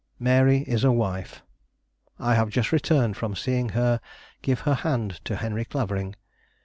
Mary is a wife. I have just returned from seeing her give her hand to Henry Clavering.